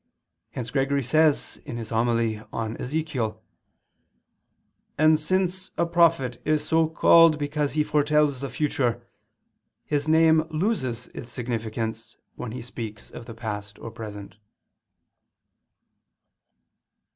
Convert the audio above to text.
Hence Gregory says (Hom. i super Ezech.): "And since a prophet is so called because he foretells the future, his name loses its significance when he speaks of the past or present."